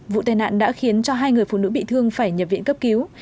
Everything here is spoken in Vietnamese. vụ tai nạn đã khiến cho hai người phụ nữ bị thương phải nhập viện cấp cứu